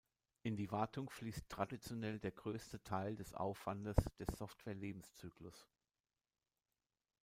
In die Wartung fließt traditionell der größte Teil des Aufwandes des Software-Lebenszyklus.